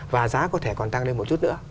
và giá có thể còn tăng lên một chút nữa